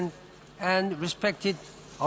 คุณพระเจ้า